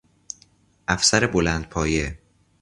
افسر بلندپایه